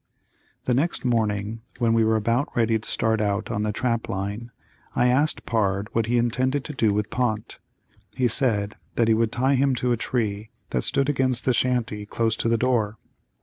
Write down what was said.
The next morning when we were about ready to start out on the trap line I asked Pard what he intended to do with Pont. He said that he would tie him to a tree that stood against the shanty close to the door.